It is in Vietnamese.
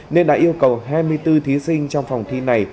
nên đã yêu cầu hai mươi bốn thí sinh trong phòng thi này